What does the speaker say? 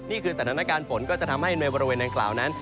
นี่คือสถานการณ์ฝนก็จะทำให้ในบริเวณดังกล่าวนั้น